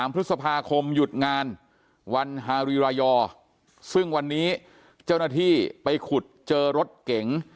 พฤษภาคมหยุดงานวันฮารีรายอร์ซึ่งวันนี้เจ้าหน้าที่ไปขุดเจอรถเก๋ง